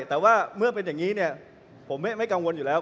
แต่ว่าเมื่อเป็นอย่างนี้ผมไม่กังวลอยู่แล้ว